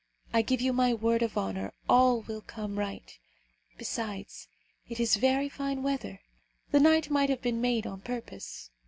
I give you my word of honour, all will come right. Besides, it is very fine weather. The night might have been made on purpose.